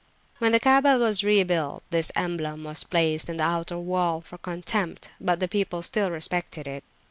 When the Kaabah was rebuilt, this emblem was placed in the outer wall for contempt, but the people still respected it.